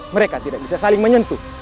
mereka tidak bisa saling menyentuh